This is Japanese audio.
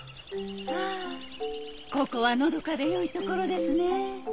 はあここはのどかでよいところですね。